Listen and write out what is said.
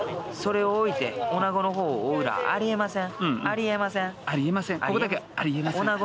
それをおいて、おなごの方を追うらあありえません。